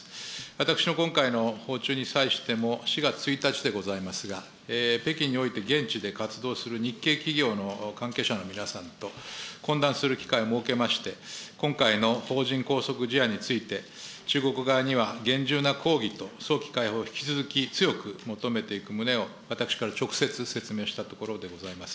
私の今回の訪中に際しても、４月１日でございますが、北京において現地で活動する日系企業の関係者の皆さんと懇談する機会を設けまして、今回の邦人拘束事案について、中国側には厳重な抗議と早期解放を引き続き強く求めていく旨を、私から直接説明したところでございます。